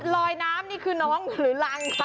ลอยน้ำนี่คือน้องหรือรังคะ